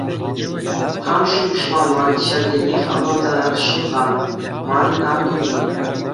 Хам шухӑшламан ҫӗртенех авлантарасшӑн-ха мана кунта.